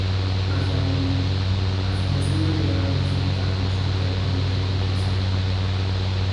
Más aún, la fundación ha llegado a disfrutar con fuerte apoyo del Congreso.